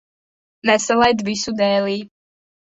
Nesalaid visu dēlī.